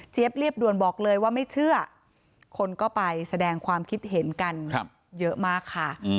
เรียบด่วนบอกเลยว่าไม่เชื่อคนก็ไปแสดงความคิดเห็นกันเยอะมากค่ะ